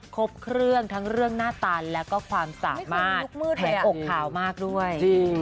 ครบเครื่องทั้งเรื่องหน้าตาแล้วก็ความสามารถและอกขาวมากด้วย